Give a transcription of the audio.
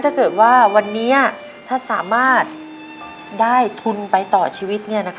ถ้าอย่างนั้นถ้าสามารถได้ทุนไปต่อชีวิต